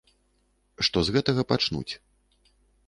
Што з гэтага пачнуць.